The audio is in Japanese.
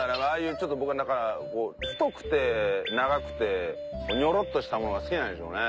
ちょっと僕はなんかこう太くて長くてニョロっとしたものが好きなんでしょうね。